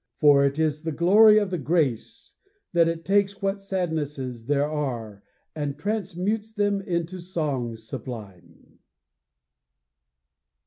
For it is the glory of the grace that it takes what sadnesses there are and transmutes them into songs sublime.